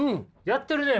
やってるね！